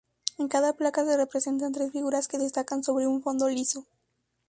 En cada placa se representan tres figuras que destacan sobre un fondo liso.